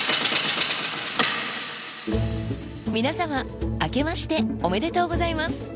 皆様、あけましておめでとうございます。